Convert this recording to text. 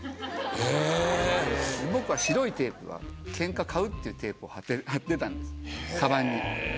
僕は白いテープ。っていうテープを貼ってたんですカバンに。